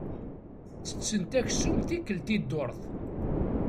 Ttetten aksum tikkelt i dduṛt.